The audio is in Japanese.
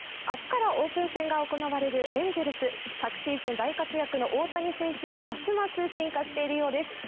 明日からオープン戦が行われるエンゼルス。昨シーズン大活躍の大谷選手は、ますます進化しているようです。